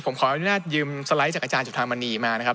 ผมขออนุญาตยืมสไลด์จากอาจารย์จุธามณีมานะครับ